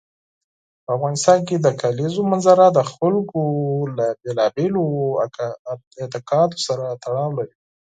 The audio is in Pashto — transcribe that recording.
په افغانستان کې د کلیزو منظره د خلکو له بېلابېلو اعتقاداتو سره تړاو لري.